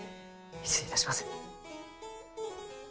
失礼いたします。